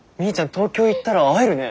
東京行ったら会えるね。